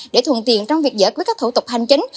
để thuận tiền trong việc giải quyết các thủ tục hành chính